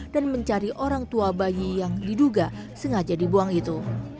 dan mencari orang tua bayi yang diduga sengaja dibuang itu